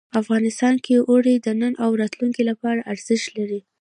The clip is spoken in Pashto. افغانستان کې اوړي د نن او راتلونکي لپاره ارزښت لري.